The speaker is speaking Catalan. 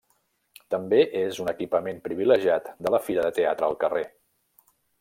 També és un equipament privilegiat de la Fira de Teatre al Carrer.